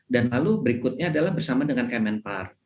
dan lalu berikutnya adalah bersama dengan kemenpar